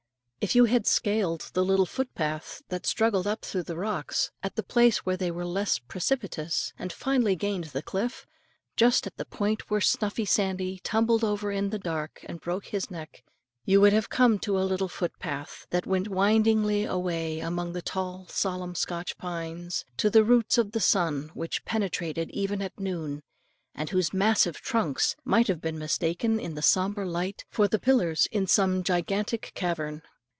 If you had scaled the little foot path, that struggled up through the rocks, at the place where they were less precipitous, and finally gained the cliff, just at the point where Snuffie Sandy tumbled over in the dark and broke his neck, you would have come to a little foot path, that went windingly away among the tall solemn Scotch pines, to the roots of which the sun never penetrated even at noon, and whose massive trunks might have been mistaken in the sombre light, for the pillars in some gigantic cavern.